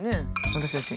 私たち。